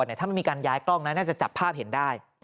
ถ้าไม่มีการย้ายกล้องนะน่าจะจับภาพเห็นได้